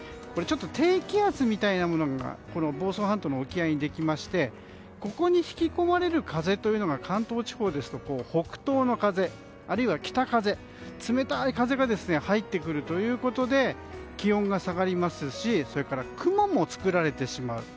ちょっと低気圧みたいなものが房総半島の沖合にできましてここに引き込まれる風というのが関東地方ですと北東の風あるいは北風、冷たい風が入ってくるということで気温が下がりますし雲も作られてしまう。